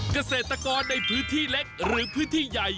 โปรดติดตามตอนต่อไป